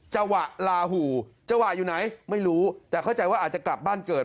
จังหวะลาหูจังหวะอยู่ไหนไม่รู้แต่เข้าใจว่าอาจจะกลับบ้านเกิด